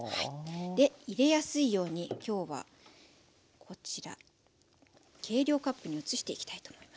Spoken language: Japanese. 入れやすいように今日はこちら計量カップに移していきたいと思います。